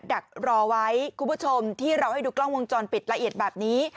ดักรอไว้คุณผู้ชมที่เราให้ดูกล้องวงจรปิดละเอียดแบบนี้